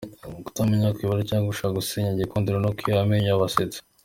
Kutamenya kuyobora cg gushaka gusenya Gikundiro no kwiha amenyo y’abasetsi .